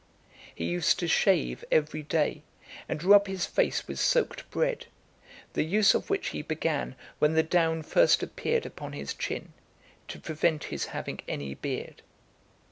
He used to shave every day, and rub his face with soaked bread; the use of which he began when the down first appeared upon his chin, to prevent his having any beard.